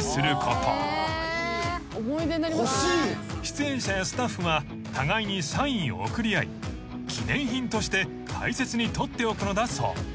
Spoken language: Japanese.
［出演者やスタッフは互いにサインを贈り合い記念品として大切に取っておくのだそう］